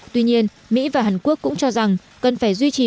tuy nhiên mỹ và hàn quốc cũng cho rằng cần phải duy trì